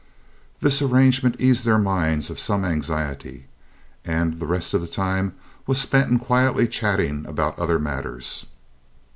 This arrangement eased their minds of some anxiety, and the rest of the time was spent in quietly chatting about other matters.